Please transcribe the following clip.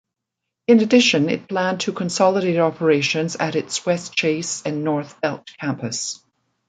In addition it planned to consolidate operations at its Westchase and North Belt Campus.